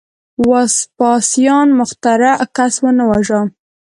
وسپاسیان مخترع کس ونه واژه.